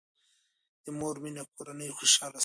د مور مینه کورنۍ خوشاله ساتي.